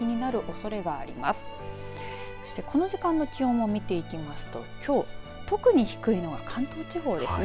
そしてこの時間の気温も見ていきますときょう特に低いのは関東地方ですね。